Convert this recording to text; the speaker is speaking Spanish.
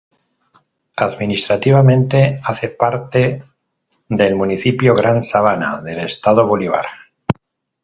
Administrativamente hace parte del Municipio Gran Sabana, del Estado Bolívar.